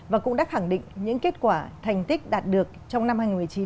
và cũng đã khẳng định những kết quả thành tích đạt được trong năm hai nghìn một mươi chín